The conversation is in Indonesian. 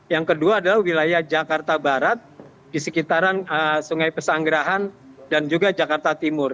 yang kedua adalah wilayah jakarta barat di sekitaran sungai pesanggerahan dan juga jakarta timur